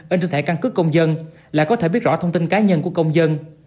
ở trên thẻ căn cứ công dân là có thể biết rõ thông tin cá nhân của công dân